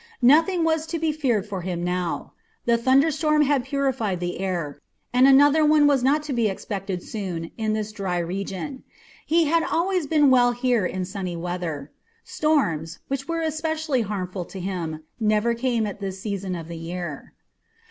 Nothing was to be feared for him now. The thunderstorm had purified the air, and another one was not to be expected soon in this dry region. He had always been well here in sunny weather. Storms, which were especially harmful to him, never came at this season of the year.